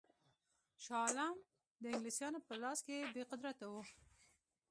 شاه عالم د انګلیسیانو په لاس کې بې قدرته وو.